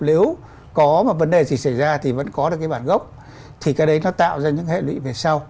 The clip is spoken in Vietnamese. nếu có một vấn đề gì xảy ra thì vẫn có được cái bản gốc thì cái đấy nó tạo ra những hệ lụy về sau